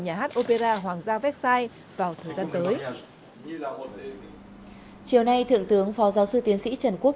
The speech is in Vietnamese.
nhà hát opera hoàng gia vecsai vào thời gian tới chiều nay thượng tướng phó giáo sư tiến sĩ trần quốc